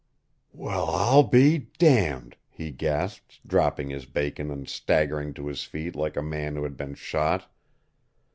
"Well, I'll be damned," he gasped, dropping his bacon and staggering to his feet like a man who had been shot.